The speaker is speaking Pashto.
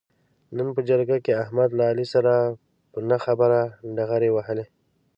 نن په جرګه کې احمد له علي سره په نه خبره ډغرې و وهلې.